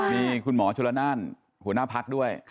มีคุณหมอชลนั่นหัวหน้าพักด้วย